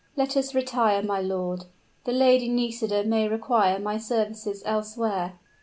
"Let us retire, my lord; the Lady Nisida may require my services elsewhere."